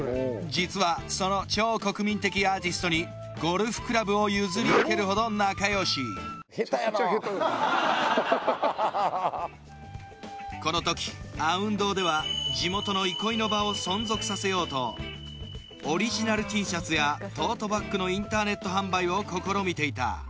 実はその超国民的アーティストにゴルフクラブを譲り受けるほど仲よしこの時あうん堂では地元の憩いの場を存続させようとオリジナルＴシャツやトートバッグのインターネット販売を試みていた